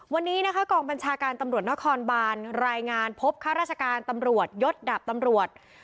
วันนี้นะคะกองบัญชาการตำรวจนครบานรายงานพบข้าราชการตำรวจยศดาบตำรวจ